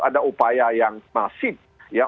ada upaya yang masif ya